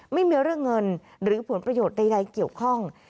ไม่มีเรื่องเงินหรือผลประโยชน์ใดเกี่ยวข้อง